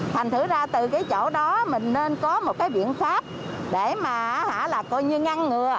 thành thử ra từ cái chỗ đó mình nên có một cái biện pháp để mà là coi như ngăn ngừa